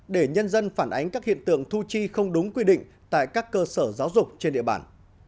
để nhân dân phản ánh các hiện tượng thu chi không đúng quy định tại các cơ sở giáo dục trên địa bàn